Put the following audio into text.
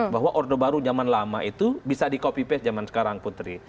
bahwa orde baru zaman lama itu bisa di copy paste zaman sekarang putri